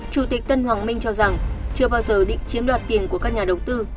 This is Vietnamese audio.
chủ tịch tân hoàng minh cho rằng chưa bao giờ định chiếm đoạt tiền của các nhà đầu tư